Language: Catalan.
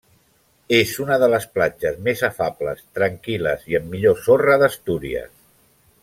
És una de les platges més afables, tranquil·les i amb millor sorra d'Astúries.